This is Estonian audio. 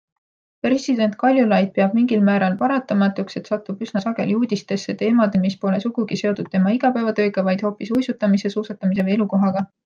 President Kaljulaid peab mingil määral paratamatuks, et satub üsna sageli uudistesse teemadel, mis pole sugugi seotud tema igapäevatööga, vaid hoopis uisutamise, suusatamise või elukohaga.